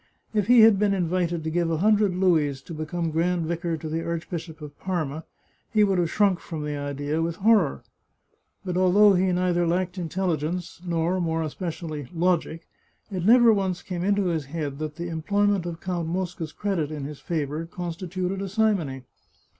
If he had been invited to give a hundred louis to become grand vicar to the Arch bishop of Parma, he would have shrunk from the idea with horror. But although he neither lacked intelligence nor, more especially, logic, it never once came into his head that the employment of Count Mosca's credit in his favour constituted a simony.